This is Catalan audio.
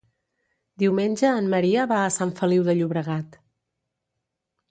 Diumenge en Maria va a Sant Feliu de Llobregat.